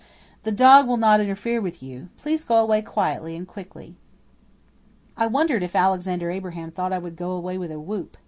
the dog will not interfere with you. Please go away quietly and quickly." I wondered if Alexander Abraham thought I would go away with a whoop.